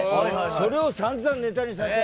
それを散々ネタにされて。